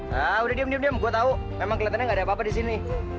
hah udah diem diem gue tahu memang kelihatannya nggak ada apa apa disini